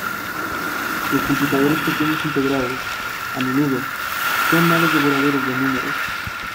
Los computadores pequeños integrados, a menudo son malos devoradores de números.